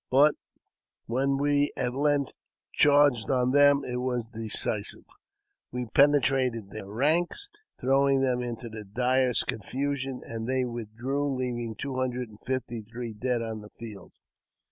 But when we at length charged on them, it was decisive. We penetrated their ranks, throwing them into the direst confusion, and they withdrew, leaving two hundred and fifty three dead on the field.